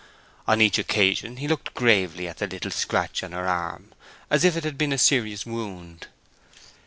On each occasion he looked gravely at the little scratch on her arm, as if it had been a serious wound.